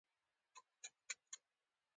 د روماتیزم لپاره کوم چای وڅښم؟